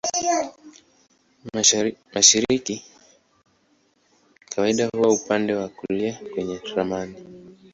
Mashariki kawaida huwa upande wa kulia kwenye ramani.